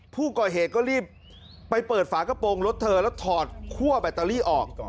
ผู้ก่อเหตุก็รีบไปเปิดฝากระโปรงรถเธอแล้วถอดคั่วแบตเตอรี่ออก